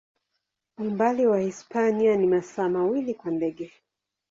Umbali na Hispania ni masaa mawili kwa ndege.